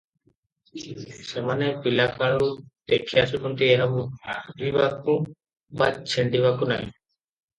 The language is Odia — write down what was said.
ସେମାନେ ପିଲାକାଳରୁ ଦେଖିଆସୁଛନ୍ତି, ଏହା ବଢ଼ିବାକୁ ବା ଛିଣ୍ତିବାକୁ ନାହିଁ ।